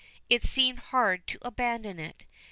It seemed hard to abandon it.